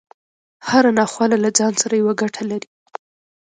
هره ناخواله له ځان سره يوه ګټه لري.